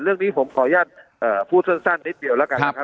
เรื่องนี้ผมขออนุญาตพูดสั้นนิดเดียวแล้วกันนะครับ